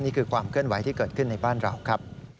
นี่คือความเคลื่อนไหวที่เกิดขึ้นในบ้านเราครับ